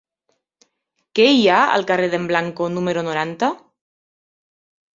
Què hi ha al carrer d'en Blanco número noranta?